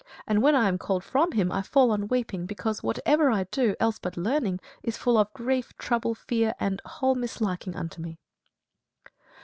And when I am called from him, I fall on weeping, because, whatever I do else but learning is full of grief, trouble, fear and whole misliking unto me."